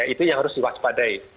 itu yang harus diwaspadai